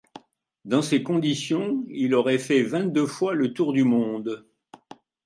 Dans ces conditions, il aurait fait vingt-deux fois le tour du monde !